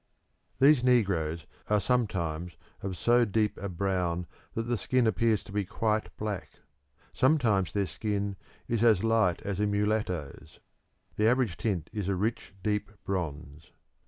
These negroes are sometimes of so deep a brown that the skin appears to be quite black; sometimes their skin is as light as a mulatto's. The average tint is a rich deep bronze.